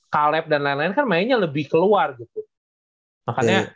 caleb dan lain lain kan mainnya lebih keluar gitu